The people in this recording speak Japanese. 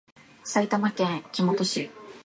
埼玉県北本市